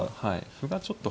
歩がちょっと。